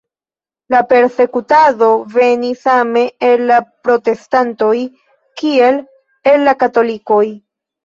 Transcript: La persekutado venis same el la protestantoj, kiel el la katolikoj.